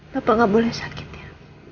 bapak nggak boleh sakit ya